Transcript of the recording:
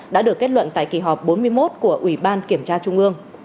đã được kết luận tại kỳ họp bốn mươi một của ubnd tp hcm